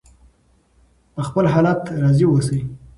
په خپل حالت راضي اوسئ.